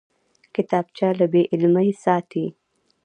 کتابچه له بېعلمۍ ساتي